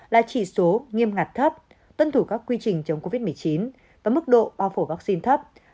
là trị số nghiêm ngặt thấp tân thủ các quy trình chống covid một mươi chín và mức độ bao phổ vaccine thấp